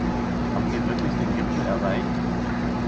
Haben wir wirklich den Gipfel erreicht?